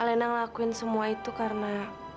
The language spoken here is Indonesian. lena ngelakuin semua itu karena